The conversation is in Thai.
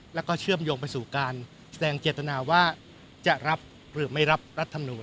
แล้วก็เชื่อมโยงไปสู่การแสดงเจตนาว่าจะรับหรือไม่รับรัฐมนูล